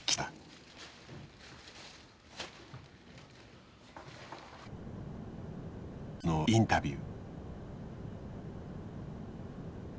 直後のインタビュー。